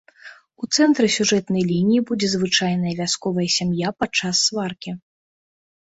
У цэнтры сюжэтнай лініі будзе звычайная вясковая сям'я падчас сваркі.